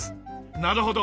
なるほど。